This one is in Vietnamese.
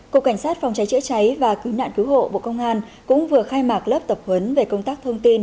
cục cảnh sát phòng cháy chữa cháy và cứu nạn cứu hộ bộ công an cũng vừa khai mạc lớp tập huấn về công tác thông tin